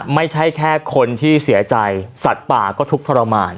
ไม่ใช่แค่คนที่เสียใจสัตว์ป่าก็ทุกข์ทรมาน